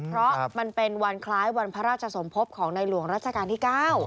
เพราะมันเป็นวันคล้ายวันพระราชสมภพของในหลวงรัชกาลที่๙